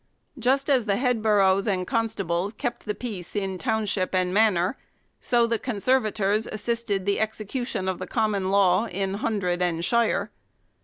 Just as the headboroughs and constables kept the peace in township and manor, 2 so the conservators assisted the execution of the common law in hundred and shire.